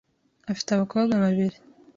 Afite abakobwa babiri .